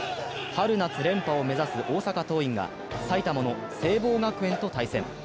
春・夏連覇を目指す大阪桐蔭が埼玉の聖望学園と対戦。